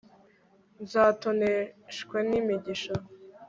nzatoneshwe n'imigisha